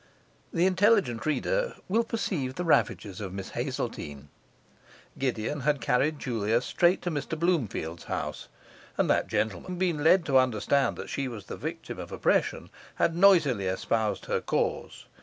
The intelligent reader will perceive the ravages of Miss Hazeltine. Gideon had carried Julia straight to Mr Bloomfield's house; and that gentleman, having been led to understand she was the victim of oppression, had noisily espoused her cause.